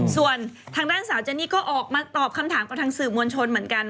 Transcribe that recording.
ส่วนทางด้านสาวเจนี่ก็ออกมาตอบคำถามกับทางสื่อมวลชนเหมือนกัน